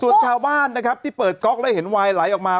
ส่วนชาวบ้านที่เปิดก๊อกแล้วเห็นวายไลก์ออกมา